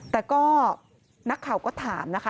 แต่ก็นักข่าวก็ถามนะคะ